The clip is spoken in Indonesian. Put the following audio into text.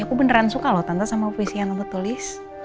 aku beneran suka loh tante sama puisi yang aku tulis